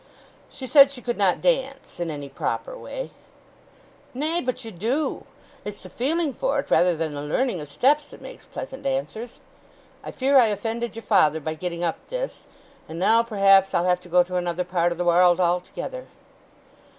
She said she could not dance—in any proper way. "Nay, but you do! It's the feeling for it rather than the learning of steps that makes pleasant dancers.... I fear I offended your father by getting up this! And now, perhaps, I'll have to go to another part o' the warrld altogether!"